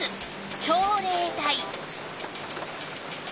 朝礼台。